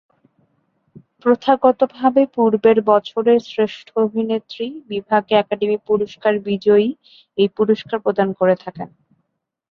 প্রথাগতভাবে পূর্বের বছরের শ্রেষ্ঠ অভিনেত্রী বিভাগে একাডেমি পুরস্কার বিজয়ী এই পুরস্কার প্রদান করে থাকেন।